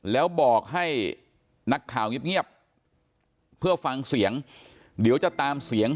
แล้วบอกให้นักข่าวเงียบเพื่อฟังเสียงเดี๋ยวจะตามเสียง